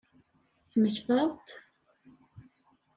Temmektaḍ-d?